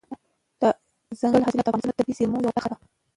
دځنګل حاصلات د افغانستان د طبیعي زیرمو یوه برخه ده.